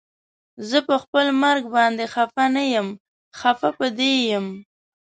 زه پخپل مرګ باندې خفه نه یم خفه په دې یم